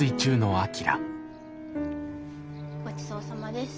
ごちそうさまです。